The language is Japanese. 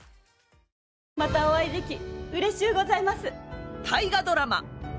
またお会いできうれしゅうございます。